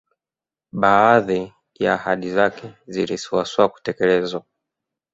Baadhi ya ahadi zake zilisuasua kutekelezwa